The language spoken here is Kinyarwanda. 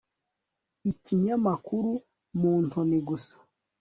ikinyamakuru muntoni gusa